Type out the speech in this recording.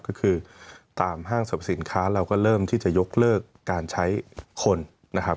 ก็คือตามห้างสรรพสินค้าเราก็เริ่มที่จะยกเลิกการใช้คนนะครับ